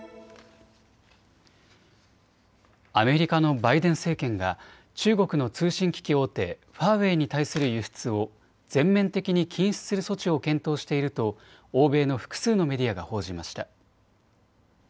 アメリカのバイデン政権が中国の通信機器大手、ファーウェイに対する輸出を全面的に禁止する措置を検討していると、欧米の複数のメディアが報じました。